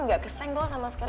gak kesenggol sama sekali